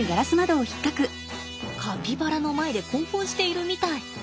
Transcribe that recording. カピバラの前で興奮しているみたい。